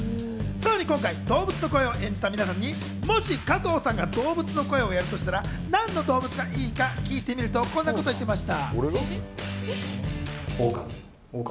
さらに今回、動物の声を演じた皆さんに、もし加藤さんが動物の声をやるとしたら何の動物がいいか聞いてみると、こんなことを言っていました。